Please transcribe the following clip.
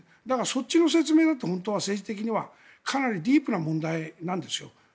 そっちの説明だって本当は政治的にはかなりディープな問題なんですよ